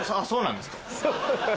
「そうなんですか」。